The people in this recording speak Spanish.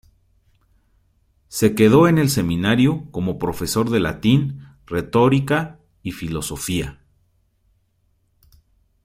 Se quedó en el seminario como profesor de latín, retórica y filosofía.